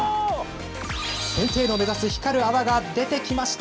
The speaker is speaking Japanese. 先生の目指す光る泡が出てきました。